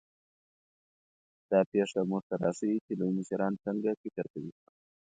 دا پېښه موږ ته راښيي چې لوی مشران څنګه فکر کوي.